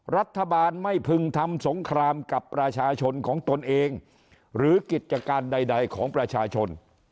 รัฐบาลไม่พึงทำสงครามกับประชาชนของตนเองหรือกิจการใดของประชาชน